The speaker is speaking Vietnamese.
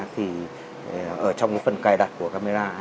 thì ở trong cái phần cài đặt của camera